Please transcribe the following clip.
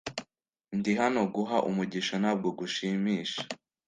ndi hano guha umugisha, ntabwo gushimisha.